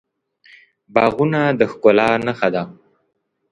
باغونه د ښکلا نښه ده.